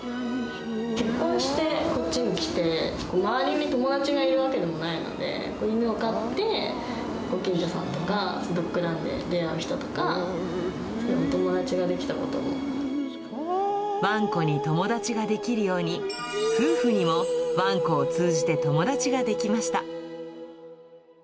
結婚してこっちに来て、周りに友達がいるわけでもないので、犬を飼って、ご近所さんとか、ドッグランで出会う人とか、ワンコに友達が出来るように、夫婦にもワンコを通じて友達が出来ました。